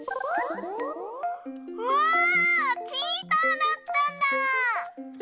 わあチーターだったんだ！